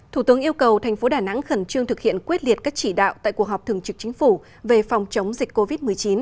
thủ tướng yêu cầu thành phố đà nẵng khẩn trương thực hiện quyết liệt các chỉ đạo tại cuộc họp thường trực chính phủ về phòng chống dịch covid một mươi chín